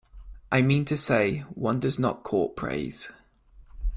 I mean to say, one does not court praise.